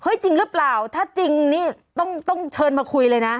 จริงหรือเปล่าถ้าจริงนี่ต้องเชิญมาคุยเลยนะ